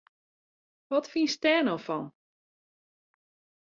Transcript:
Wat fynst dêr no fan!